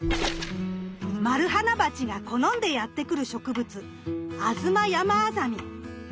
マルハナバチが好んでやってくる植物アズマヤマアザミ。